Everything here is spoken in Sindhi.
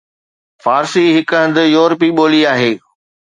فارسي هڪ هند-يورپي ٻولي آهي